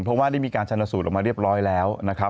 เพราะว่าได้มีการชนสูตรออกมาเรียบร้อยแล้วนะครับ